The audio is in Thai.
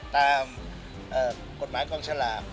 ตามกฎหมายกองฉลาก